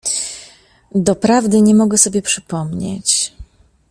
Doprawdy nie mogę sobie przypomnieć…